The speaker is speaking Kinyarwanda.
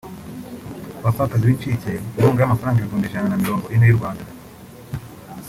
abapfakazi n’inshike inkunga y’amafaranga ibihumbi ijana na mirongo ine y’u Rwanda